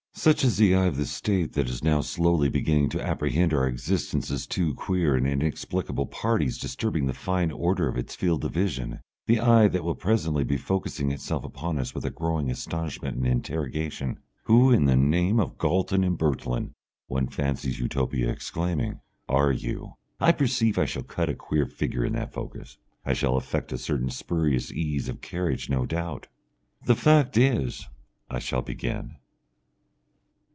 ] Such is the eye of the State that is now slowly beginning to apprehend our existence as two queer and inexplicable parties disturbing the fine order of its field of vision, the eye that will presently be focussing itself upon us with a growing astonishment and interrogation. "Who in the name of Galton and Bertillon," one fancies Utopia exclaiming, "are you?" I perceive I shall cut a queer figure in that focus. I shall affect a certain spurious ease of carriage no doubt. "The fact is, I shall begin...."